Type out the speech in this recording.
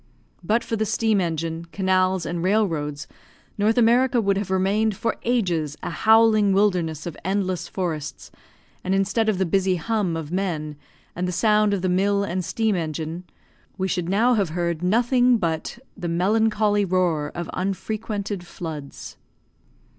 But for the steam engine, canals, and railroads, North America would have remained for ages a howling wilderness of endless forests, and instead of the busy hum of men, and the sound of the mill and steam engine, we should now have heard nothing but "The melancholy roar of unfrequented floods."